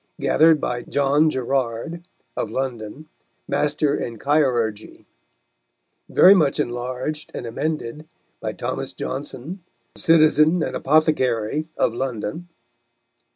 Gathered by John Gerarde, of London, Master in Chirurgerie. Very much enlarged and amended by Thomas Johnson, citizen and apothecarye of London.